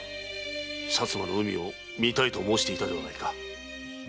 薩摩の海を見たいと申していたではないか。